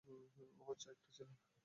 ও বাচ্চা একটা ছেলে!